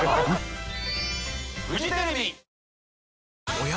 おや？